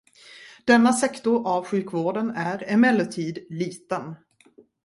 Denna sektor av sjukvården är emellertid liten.